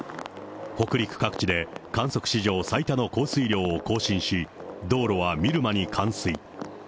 北陸各地で観測史上最多の降水量を更新し、道路は見る間に冠水。